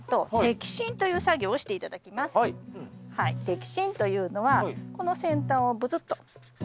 摘心というのはこの先端をブツッと切る。